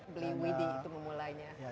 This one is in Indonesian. beli widi itu memulainya